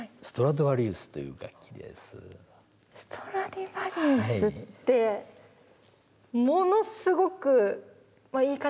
ストラディバリウスってものすごく言い方